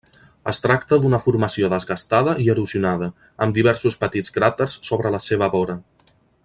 Es tracta d'una formació desgastada i erosionada, amb diversos petits cràters sobre la seva vora.